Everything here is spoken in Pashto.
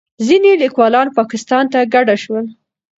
ځینې لیکوالان پاکستان ته کډه شول.